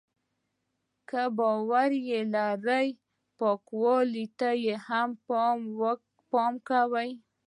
که باور یې لرلی پاکوالي ته یې پام کاوه.